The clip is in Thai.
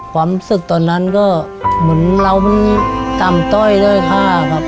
ความศึกตอนนั้นก็เหมือนเราตามต้อยด้วยข้า